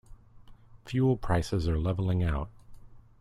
Fuel prices are leveling out.